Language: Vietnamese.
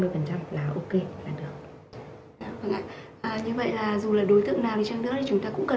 phần trăm là ok là được như vậy là dù là đối tượng nào đi chăng nữa thì chúng ta cũng cần